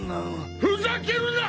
ふざけるな！！